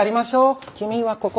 君はここ！